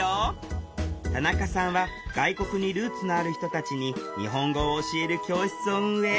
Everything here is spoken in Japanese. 田中さんは外国にルーツのある人たちに日本語を教える教室を運営。